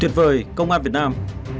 tuyệt vời công an việt nam